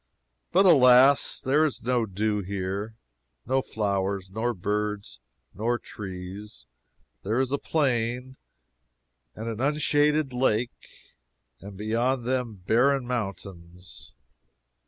But alas, there is no dew here, nor flowers, nor birds, nor trees. There is a plain and an unshaded lake, and beyond them some barren mountains.